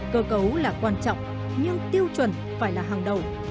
cơ cấu là quan trọng nhưng tiêu chuẩn phải là hàng đầu